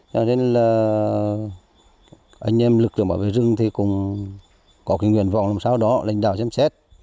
cho nên là anh em lực lượng bảo vệ rừng cũng có nguyện vọng làm sao đó lãnh đạo chăm chết